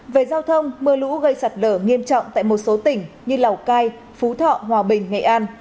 về giao thông mưa lũ gây sạt lở nghiêm trọng tại một số tỉnh như lào cai phú thọ hòa bình nghệ an